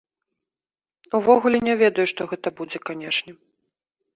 Увогуле не ведаю, што гэта будзе, канечне.